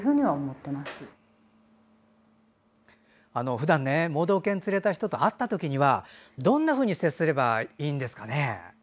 ふだん、盲導犬連れた人と会ったときにはどんなふうに接すればいいんですかね？